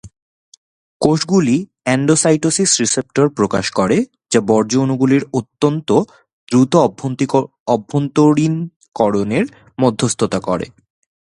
কোষগুলি endocytosis receptor প্রকাশ করে যা বর্জ্য অণুগুলির অত্যন্ত দ্রুত অভ্যন্তরীণকরণের মধ্যস্থতা করে।